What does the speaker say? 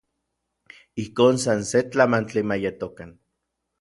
Ijkon san se tlamantli ma yetokan.